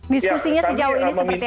diskusinya sejauh ini seperti apa